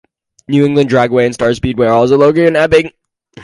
New England Dragway and Star Speedway are also located in Epping.